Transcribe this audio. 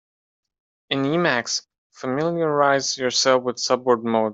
In Emacs, familiarize yourself with subword mode.